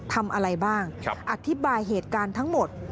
ทำอะไรบ้างอธิบายเหตุการณ์ทั้งหมด